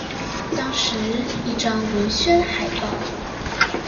當時一張文宣海報